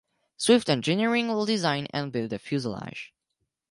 Swift Engineering will design and build the fuselage.